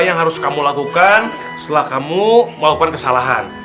yang harus kamu lakukan setelah kamu melakukan kesalahan